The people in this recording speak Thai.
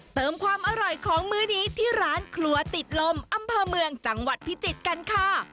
เติมความอร่อยของมื้อนี้ที่ร้านครัวติดลมอำเภอเมืองจังหวัดพิจิตรกันค่ะ